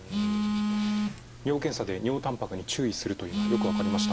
尿検査で尿たんぱくに注意するというのはよく分かりました。